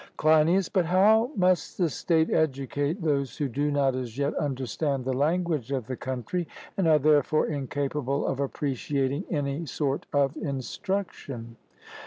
CLEINIAS: But how must the state educate those who do not as yet understand the language of the country, and are therefore incapable of appreciating any sort of instruction?